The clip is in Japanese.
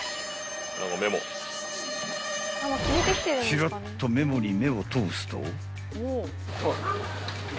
［チラッとメモに目を通すと］